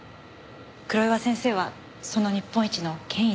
黒岩先生はその日本一の権威です。